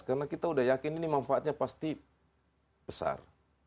karena kita sudah yakin ini manfaatnya pasti besar